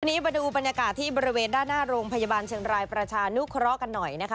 วันนี้มาดูบรรยากาศที่บริเวณด้านหน้าโรงพยาบาลเชียงรายประชานุเคราะห์กันหน่อยนะคะ